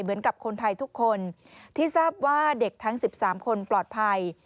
เหมือนกับคนไทยทุกคนที่ทราบว่าเด็กทั้ง๑๓คนปลอดภัย